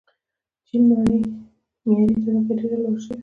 چین میاني طبقه ډېره لویه شوې.